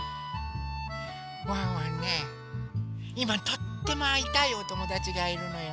ワンワンねいまとってもあいたいおともだちがいるのよ。